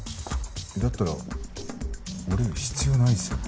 だったら俺必要ないですよね？